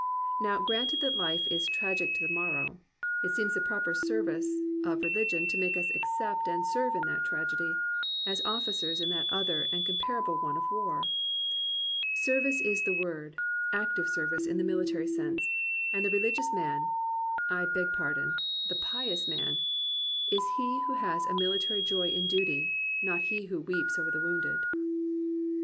Now granted that life is tragic to the marrow, it seems the proper service of religion to make us ac cept and serve in that tragedy, as officers in that other and comparable one of war. Service is the word, active service in the military sense; and the religious man — I beg pardon, the pious man — is he who has a military joy in duty, — not he who weeps over the wounded."